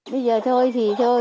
bây giờ thôi thì thôi